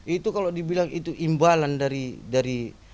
itu kalau dibilang itu imbalan dari